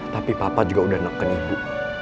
tapi papa juga udah neken ibu